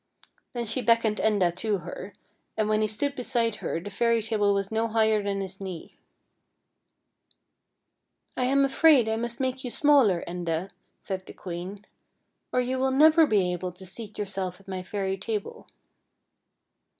Then she beckoned Enda to her, 36 FAIRY TALES and when he stood beside her the fairy table was no higher than his knee. " I am afraid I must make you smaller, Enda," said the queen, " or you will never be able to seat yourself at my fairy table."